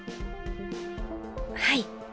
はい。